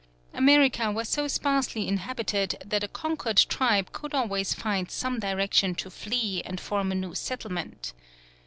America was so sparsely inhabited that a conquered tribe could always find some direction to flee and form a new settlement.